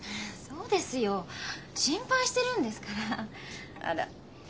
そうですよ心配してるんですから。